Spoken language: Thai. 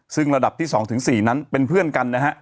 ซึ่งระดับที่๒๔นั้นเป็นเพื่อนกันนะฮะ